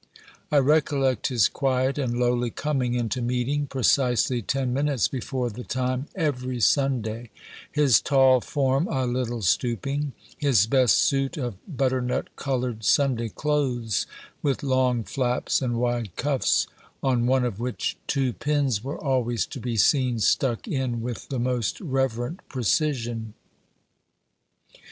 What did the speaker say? I recollect his quiet and lowly coming into meeting, precisely ten minutes before the time, every Sunday, his tall form a little stooping, his best suit of butternut colored Sunday clothes, with long flaps and wide cuffs, on one of which two pins were always to be seen stuck in with the most reverent precision.